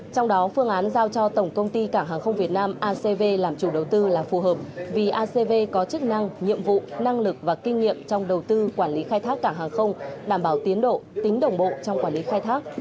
trong đó phương án giao cho tổng công ty cảng hàng không việt nam acv làm chủ đầu tư là phù hợp vì acv có chức năng nhiệm vụ năng lực và kinh nghiệm trong đầu tư quản lý khai thác cảng hàng không đảm bảo tiến độ tính đồng bộ trong quản lý khai thác